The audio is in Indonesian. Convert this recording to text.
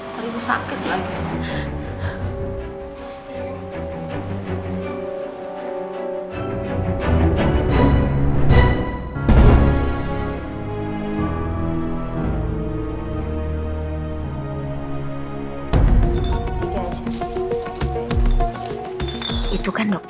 atau ibu sakit banget